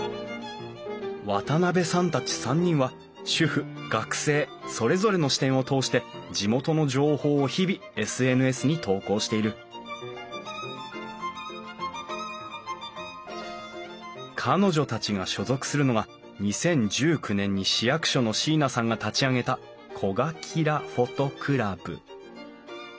渡辺さんたち３人は主婦学生それぞれの視点を通して地元の情報を日々ＳＮＳに投稿している彼女たちが所属するのが２０１９年に市役所の椎名さんが立ち上げた「こがキラＰｈｏｔｏクラブ」。